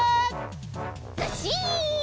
ずっしん！